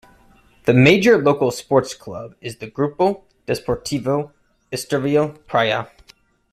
The major local sports club is the Grupo Desportivo Estoril Praia.